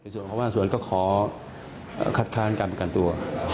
ส่วนความภาคส่วนก็ขอคัดค้านการประกันตัว